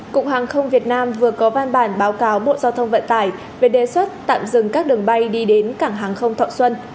cục hàng không việt nam vừa có văn bản báo cáo bộ giao thông vận tải về đề xuất tạm dừng các đường bay đi đến cảng hàng không thọ xuân